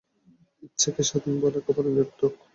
ইচ্ছাকে স্বাধীন বলা একেবারে নিরর্থক।